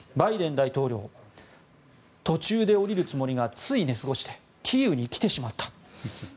バイデン大統領途中で降りるつもりがつい寝過ごしてキーウに来てしまった。